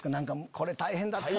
これ大変だったな！